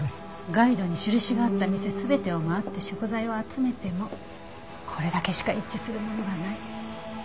ガイドに印があった店全てを回って食材を集めてもこれだけしか一致するものがない。